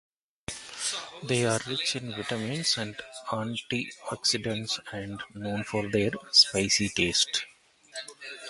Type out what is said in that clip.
They are rich in vitamins and antioxidants and known for their spicy taste.